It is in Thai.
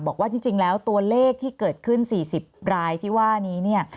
บอกว่าจริงแล้วตัวเลขที่เกิดขึ้น๔๐รายที่ว่านี้เนี่ย